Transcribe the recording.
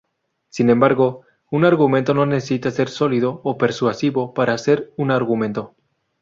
Sin embargo, un argumento no necesita ser sólido o persuasivo para ser un argumento.